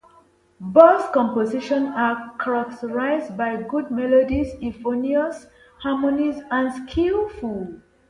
Borg's compositions are characterized by good melodies, euphonious harmonies and skillful instrumentation.